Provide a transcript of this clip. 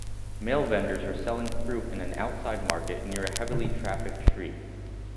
Male vendors are selling fruit in an outside market near a heavilytrafficked street